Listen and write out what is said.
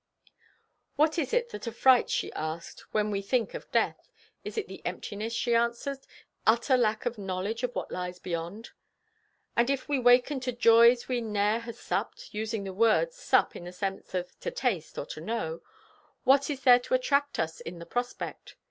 What is it that affrights, she asks, when we think of death? It is the emptiness, she answers, the utter lack of knowledge of what lies beyond. And if we waken to "joys we ne'er have supped"—using the word sup in the sense of to taste or to know—what is there to attract us in the prospect?